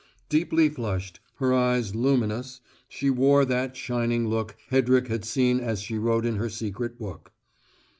Deeply flushed, her eyes luminous, she wore that shining look Hedrick had seen as she wrote in her secret book.